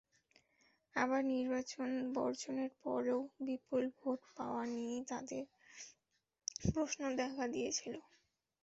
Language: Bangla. আবার নির্বাচন বর্জনের পরও বিপুল ভোট পাওয়া নিয়েও তাদের প্রশ্ন দেখা দিয়েছে।